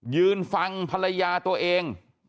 ยืนฟังภรรยาตัวเอง